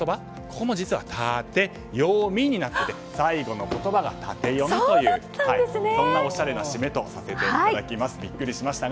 ここも実は「タテヨミ」になってて最後の言葉がタテヨミというそんなオシャレな締めにさせていただきました。